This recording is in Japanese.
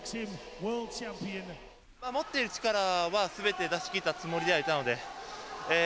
持っている力は全て出し切ったつもりではいたので。